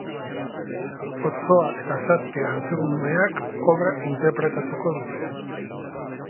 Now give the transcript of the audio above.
Otsoa eta zazpi antxumeak obra interpretatuko dute.